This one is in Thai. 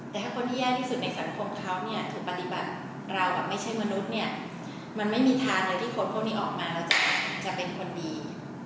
แต่ถ้าคนที่แย่ที่สุดในสังคมเขาเนี่ยถูกปฏิบัติเรากับไม่ใช่มนุษย์เนี่ยมันไม่มีทางเลยที่คนพวกนี้ออกมาแล้วจะเป็นคนดี